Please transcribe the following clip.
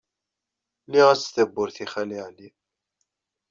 Lliɣ-as-d tawwurt i Xali Ɛli.